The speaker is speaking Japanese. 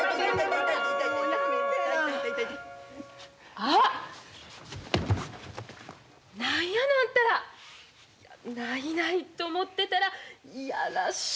あっ何やのあんたら。ないないと思ってたら嫌らしい。